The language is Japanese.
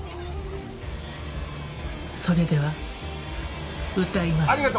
それでは歌います。